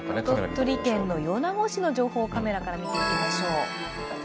鳥取県の米子市の情報カメラから見ていきましょう。